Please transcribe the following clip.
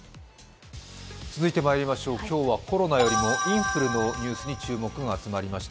今日はコロナよりもインフルのニュースに注目が集まりました。